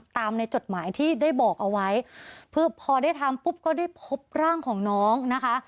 ตามในจดหมายที่ได้บอกเอาไว้คือพอได้ทำปุ๊บก็ได้พบร่างของน้องนะคะ